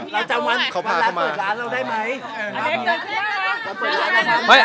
เราจะวันเปิดร้านเราได้ไหม